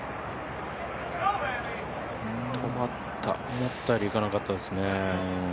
思ったよりいかなかったですね。